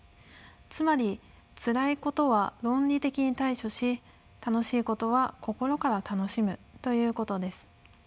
つまりつらいことは論理的に対処し楽しいことは心から楽しむということです。